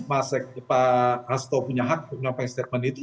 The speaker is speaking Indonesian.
mas hasto punya hak untuk menampang statement itu